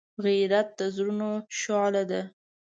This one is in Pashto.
غیرت د زړونو شعله ده